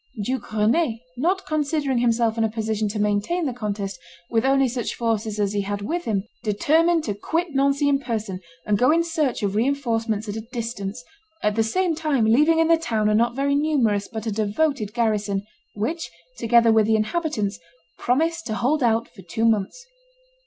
Duke Rend, not considering himself in a position to maintain the contest with only such forces as he had with him, determined to quit Nancy in person and go in search of re enforcements at a distance, at the same time leaving in the town a not very numerous but a devoted garrison, which, together with the inhabitants, promised to hold out for two months.